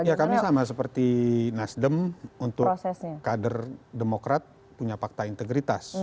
ya kami sama seperti nasdem untuk kader demokrat punya fakta integritas